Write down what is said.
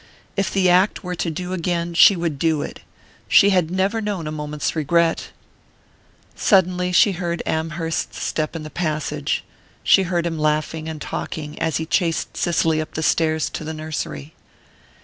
If the act were to do again she would do it she had never known a moment's regret! Suddenly she heard Amherst's step in the passage heard him laughing and talking as he chased Cicely up the stairs to the nursery.